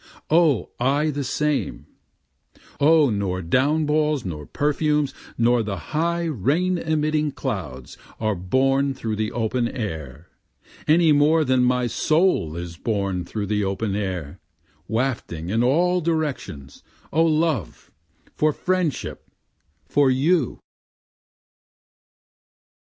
O I the same, O nor down balls nor perfumes, nor the high rain emitting clouds, are borne through the open air, Any more than my soul is borne through the open air, Wafted in all directions O love, for friendship, for you.